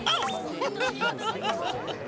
フフフフフフ。